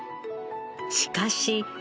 しかし。